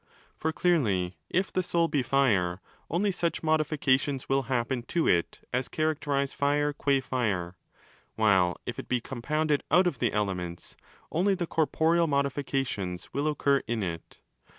For clearly, if the soul be Fire, only such modifications will happen to it as characterize Fire gua Fire: while if it be compounded out of the 'elements', only the corporeal modifications will occur init.